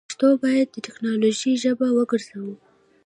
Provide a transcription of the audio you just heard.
پښتو باید دټیکنالوژۍ ژبه وګرځوو.